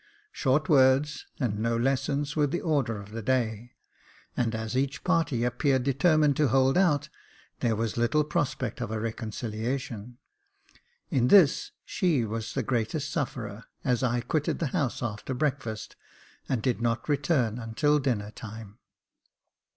Short words and no lessons were the order of the day ; and, as each party appeared determined to hold out, there was little prospect of a reconciliation. In this she was the greatest sufferer, as I quitted the house after breakfast, and did not return until dinner time.